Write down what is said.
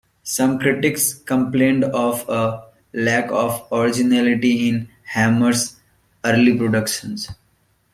Some critics complained of a lack of originality in Hammer's early productions.